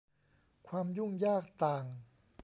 ความยุ่งยากต่าง